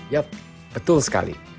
yap betul sekali